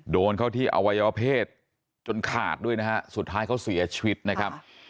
โดนเข้าที่อวัยวเพศจนขาดด้วยนะฮะสุดท้ายเขาเสียชีวิตนะครับ